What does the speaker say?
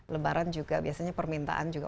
lebaran juga biasanya permintaan juga